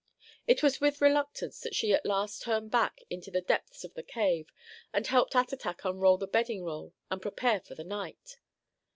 It was with reluctance that she at last turned back into the depths of the cave and helped Attatak unroll the bedding roll and prepare for the night.